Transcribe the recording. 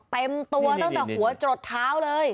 เต็มตัวตั้งแต่หัวจดเท้าเลย